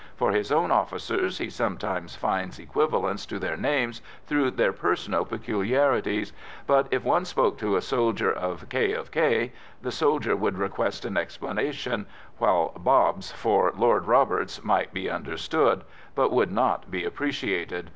For his own officers he sometimes finds equivalents to their names through their personal peculiarities, but if one spoke to a soldier of "K. of K.," the soldier would request an explanation, while "Bobs" for Lord Roberts might be understood, but would not be appreciated.